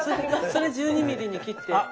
それ１２ｍｍに切って。